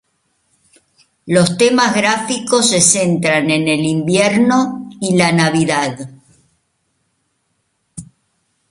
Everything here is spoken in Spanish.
Los temas gráficos se centran en el invierno y la Navidad.